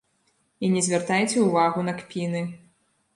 І не звяртайце ўвагу на кпіны.